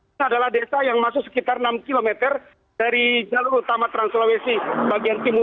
ini adalah desa yang masuk sekitar enam km dari jalur utama trans sulawesi bagian timur